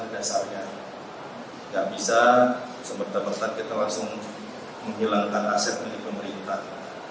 dasarnya nggak bisa sempat sempat kita langsung menghilangkan aset milik pemerintah